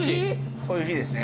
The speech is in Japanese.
そういう日ですね。